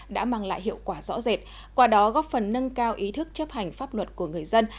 đã mang lại hiệu quả rõ rệt qua đó góp phần nâng cao ý thức chấp hành pháp luật của người dân